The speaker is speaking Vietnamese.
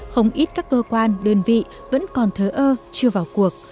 không ít các cơ quan đơn vị vẫn còn thớ ơ chưa vào cuộc